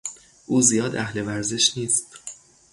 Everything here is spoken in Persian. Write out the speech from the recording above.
او زیاد اهل ورزش نیست.